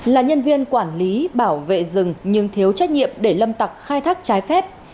là nhân viên quản lý bảo vệ rừng nhưng thiếu trách nhiệm để lâm tặc khai thác trái phép